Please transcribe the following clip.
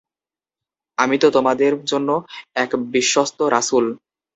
আমি তো তোমাদের জন্য এক বিশ্বস্ত রাসূল!